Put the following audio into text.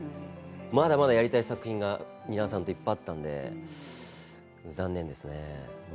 まだまだやりたい作品が蜷川さんといっぱいあったので残念ですね。